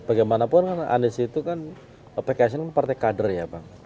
bagaimanapun anies itu kan pks itu kan partai kader ya bang